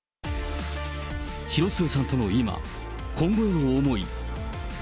広末さんとの今、今後への思い。